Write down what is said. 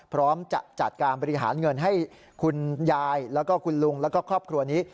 พร้อมจะจัดการบริหารเงินให้คุณยายแล้วก็คุณลุงแล้วก็ครอบครัวนี้